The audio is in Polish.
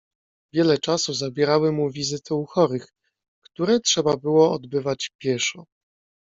"Wiele czasu zabierały mu wizyty u chorych, które trzeba było odbywać pieszo."